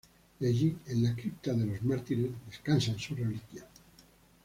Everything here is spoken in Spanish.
Y allí, en la Cripta de los Mártires, descansan sus reliquias.